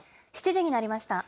７時になりました。